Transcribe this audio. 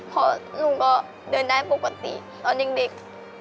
เพราะลุงก็เดินได้ปกติตอนยังเด็ก